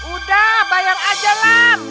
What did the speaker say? udah bayar aja lah